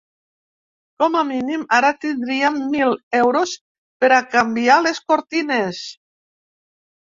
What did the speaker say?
Com a mínim ara tendríem mil euros per a canviar les cortines.